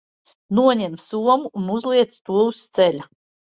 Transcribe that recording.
Noņem somu un uzliec to uz ceļa.